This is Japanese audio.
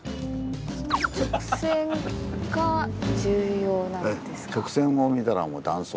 直線が重要なんですか？